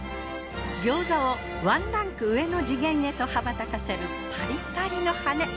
餃子をワンランク上の次元へと羽ばたかせるパリパリの羽根。